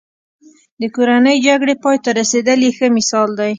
د کورنۍ جګړې پای ته رسېدل یې ښه مثال دی.